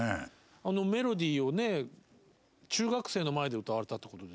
あの「メロディー」をね中学生の前で歌われたってことですよね。